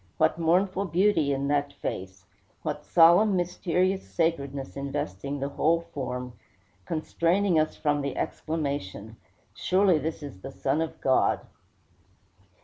What mournful beauty in that face! What solemn, mysterious sacredness investing the whole form, constraining from us the exclamation, "Surely this is the Son of God."